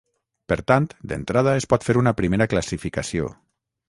Per tant, d'entrada es pot fer una primera classificació.